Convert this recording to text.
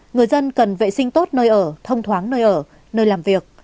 người dân cần vệ sinh tốt nơi ở thông thoáng nơi ở nơi làm việc